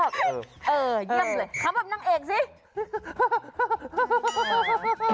คำตัวกรง